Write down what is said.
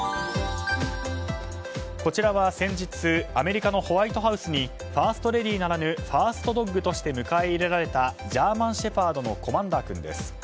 こちらは先日アメリカのホワイトハウスにファーストレディーならぬファーストドッグとして迎え入れられたジャーマンシェパードのコマンダー君です。